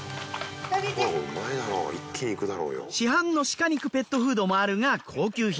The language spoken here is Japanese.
市販のシカ肉ペットフードもあるが高級品。